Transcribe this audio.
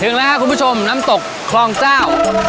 ถึงแล้วครับคุณผู้ชมน้ำตกคลองเจ้า